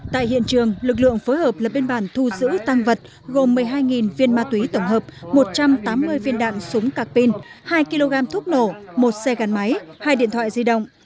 tại hiện trường lực lượng phối hợp là biên bản thu giữ tăng vật gồm một mươi hai viên ma túy tổng hợp một trăm tám mươi viên đạn súng cạc pin hai kg thuốc nổ một xe gắn máy hai điện thoại di động